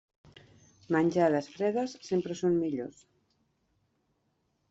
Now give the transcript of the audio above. Menjades fredes sempre són millors.